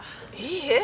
いいえ。